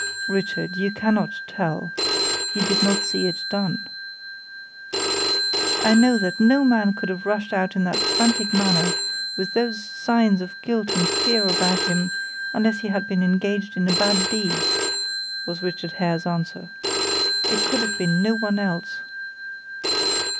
"Richard, you cannot tell; you did not see it done." "I know that no man could have rushed out in that frantic manner, with those signs of guilt and fear about him, unless he had been engaged in a bad deed," was Richard Hare's answer. "It could have been no one else."